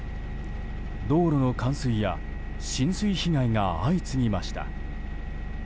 道路の冠水や浸水被害が相次ぎました。